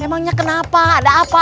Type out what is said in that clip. emangnya kenapa ada apa